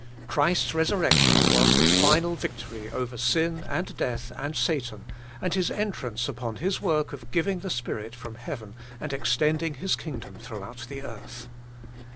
Christ's resur rection was His final victory over sin, and death, and Satan, and His entrance upon His work of giving the Spirit from heaven and extending His kingdom throughout the earth.